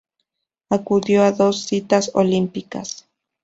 Acudió a dos citas olímpicas.